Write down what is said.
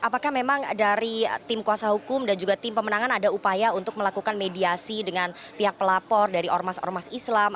apakah memang dari tim kuasa hukum dan juga tim pemenangan ada upaya untuk melakukan mediasi dengan pihak pelapor dari ormas ormas islam